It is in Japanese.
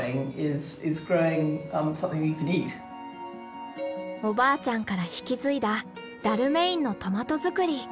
おばあちゃんから引き継いだダルメインのトマト作り。